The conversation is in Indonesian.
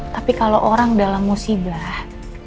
tapi kalau orang dalam musibah